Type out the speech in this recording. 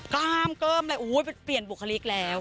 กล้ามเกิ้มเลยเปลี่ยนบุคลิกแล้ว